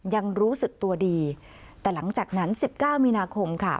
ยังรู้สึกตัวดีแต่หลังจากนั้น๑๙มีนาคมค่ะ